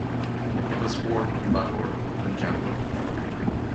He was born in Lahore, Punjab.